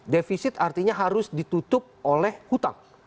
defisit artinya harus ditutup oleh hutang